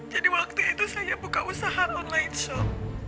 jadi waktu itu saya buka usaha online shop